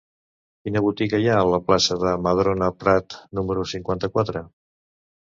Quina botiga hi ha a la plaça de Madrona Prat número cinquanta-quatre?